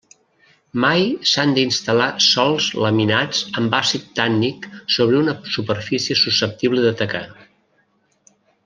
Mai s'han d'instal·lar sòls laminats amb àcid tànnic sobre una superfície susceptible de tacar.